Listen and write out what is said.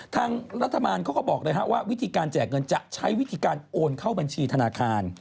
ทางรัฐบาลเขาก็บอกเลยว่าวิธีการแจกเงินจะใช้วิธีการโอนเข้าบัญชีธนาคาร